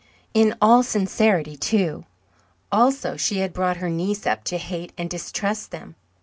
In all sincerity, too. Also, she had brought her niece up to hate and distrust them.